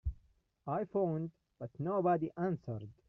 I phoned but nobody answered.